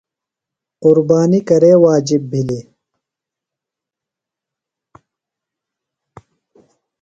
قُربانی کرے واجب بِھلیۡ ؟